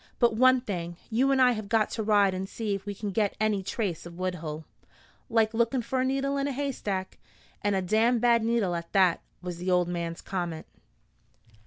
But one thing: you and I have got to ride and see if we can get any trace of Woodhull." "Like looking for a needle in a haystack, an' a damn bad needle at that," was the old man's comment.